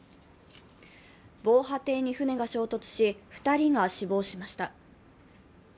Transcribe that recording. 防波堤に船が衝突し２人が死亡しました。